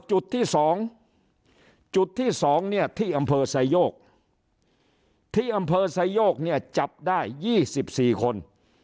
จุดที่๒ที่อำเภอสายโยกจับได้๒๔คน